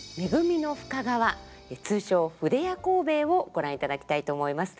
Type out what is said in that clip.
通称「筆屋幸兵衛」をご覧いただきたいと思います。